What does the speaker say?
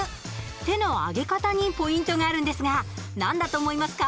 手の上げ方にポイントがあるんですが何だと思いますか？